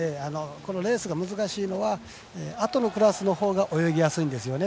このレースが難しいのはあとのクラスのほうが泳ぎやすいんですね。